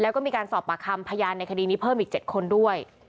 แล้วก็มีการสอบปากคำพยานในคดีนี้เพิ่มอีก๗คนด้วย